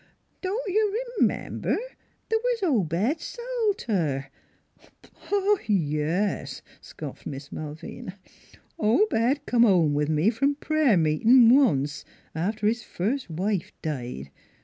Don't you r'member th' was Obed Salter "" Yes," scoffed Miss Malvina, " Obed come home with me from prayer meetin' once, after his first wife died.